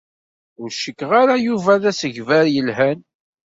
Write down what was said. Ur cikkeɣ ara Yuba d asegbar yelhan.